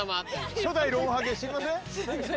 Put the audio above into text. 初代ロンハゲ知りません？